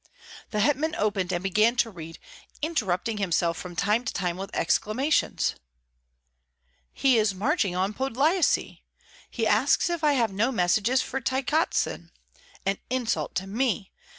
The hetman opened and began to read, interrupting himself from time to time with exclamations. "He is marching on Podlyasye! He asks if I have no messages for Tykotsin! An insult to me!